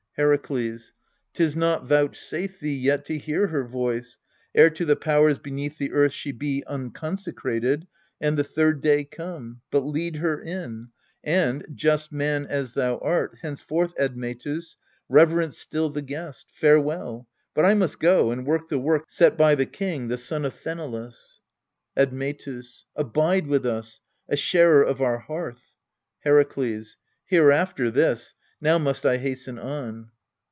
Herakles. 'Tis not vouchsafed thee yet to hear her voice, Ere to the powers beneath the earth she be Unconsecrated, and the third day come. But lead her in, and, just man as thou art, Henceforth, Admetus, reverence still the guest. Farewell. But I must go, and work the work Set by the king, the son of Sthenelus. Admetus. Abide with us, a sharer of our hearth. Herakles. Hereafter this : now must I hasten on.